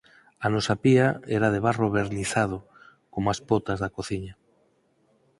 a nosa pía era de barro vernizado, coma as potas da cociña